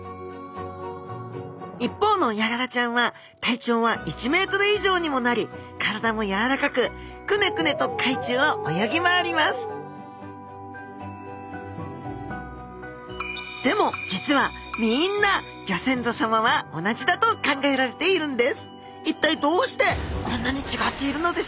一方のヤガラちゃんは体長は１ｍ以上にもなり体もやわらかくクネクネと海中を泳ぎ回りますでも実はみんなギョ先祖さまは同じだと考えられているんです